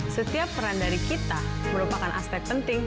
setiap peran dari kita merupakan aspek penting